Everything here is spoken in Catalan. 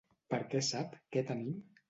Per què sap què tenim?